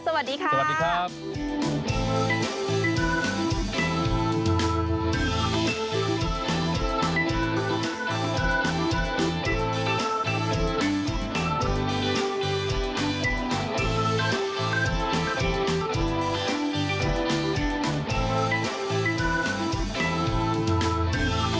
สวัสดีค่ะสวัสดีครับ